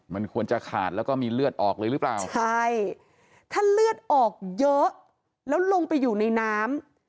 มันควรจะขาดแล้วก็มีเลือดออกเลยหรือเปล่าใช่ถ้าเลือดออกเยอะแล้วลงไปอยู่ในน้ำ